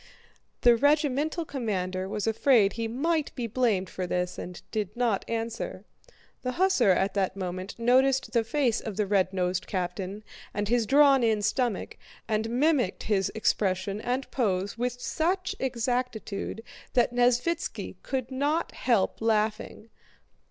The regimental commander was afraid he might be blamed for this and did not answer. The hussar at that moment noticed the face of the red nosed captain and his drawn in stomach, and mimicked his expression and pose with such exactitude that Nesvítski could not help laughing.